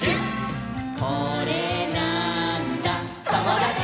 「これなーんだ『ともだち！』」